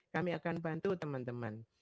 kami akan bantu teman teman